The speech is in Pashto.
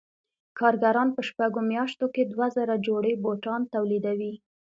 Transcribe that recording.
کارګران په شپږو میاشتو کې دوه زره جوړې بوټان تولیدوي